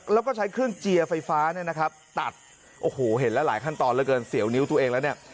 แล้วก็ใช้เครื่องเจียร์ไฟฟ้าเนี่ยนะครับตัดโอ้โหเห็นแล้วหลายขั้นตอนเหลือเกินเสียวนิ้วตัวเองแล้วเนี่ย